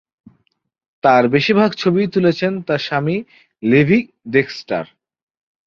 তার বেশিরভাগ ছবিই তুলেছেন তার স্বামী লেভি ডেক্সটার।